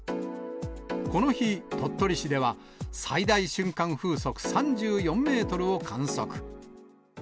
この日、鳥取市では最大瞬間風速３４メートルを観測。